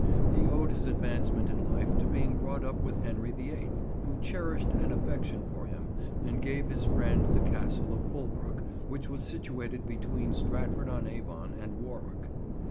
He owed his advancement in life to being brought up with Henry the Eighth, who cherished an affection for him and gave his friend the Castle of Fulbrook, which was situated between Stratford on Avon and Warwick.